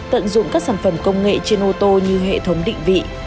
tận dụng các sản phẩm công nghệ trên ô tô như hệ thống định vị